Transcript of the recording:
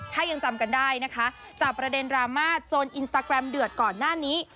ถ้ายังจำกันได้นะคะจากประเด็นดราม่าโจนอินสตาแกรมเดือดก่อนหน้านี้